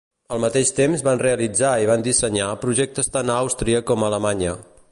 Al mateix temps van realitzar i van dissenyar projectes tant en Àustria com a Alemanya.